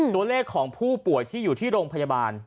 ตัวเลขของผู้ป่วยที่อยู่ที่โรงพยาบาล